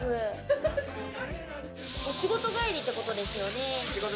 お仕事帰りってことですよね？